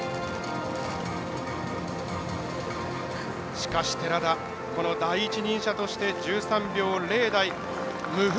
しかし寺田第一人者として１３秒０台、無風。